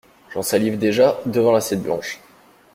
J’en salive déjà, devant l’assiette blanche.